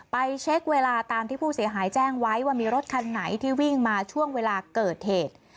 ไปเช็คเวลาตามที่ผู้เสียหายแจ้งไว้ว่ามีรถคันไหนที่วิ่งมาช่วงเวลาเกิดเหตุ